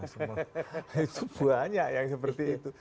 itu banyak yang seperti itu